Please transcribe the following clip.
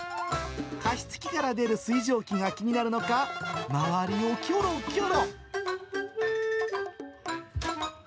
加湿器から出る水蒸気が気になるのか、周りをきょろきょろ。